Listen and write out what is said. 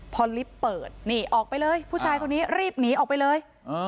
พอลิฟต์เปิดนี่ออกไปเลยผู้ชายคนนี้รีบหนีออกไปเลย